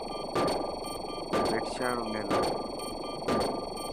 ڀٽ شاهه رو ميلو.